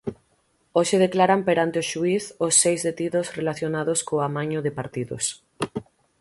Hoxe declaran perante o xuíz os seis detidos relacionados co amaño de partidos.